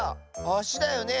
あしだよね？